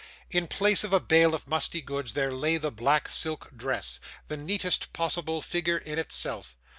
In place of a bale of musty goods, there lay the black silk dress: the neatest possible figure in itself.